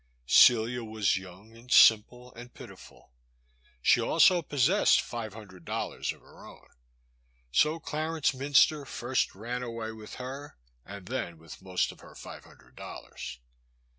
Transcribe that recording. Celia was young and simple and pitiful. She also possessed five hundred dollars of her own. So Clarence Minster first ran away with her and then with most of her five hundred dollars.